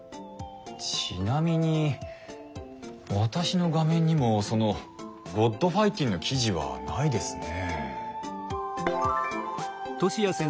ちなみに私の画面にもその「ｇｏｄファイティン」の記事はないですね。